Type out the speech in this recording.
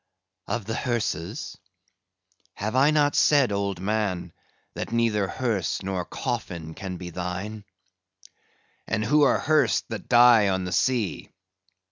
"Of the hearses? Have I not said, old man, that neither hearse nor coffin can be thine?" "And who are hearsed that die on the sea?"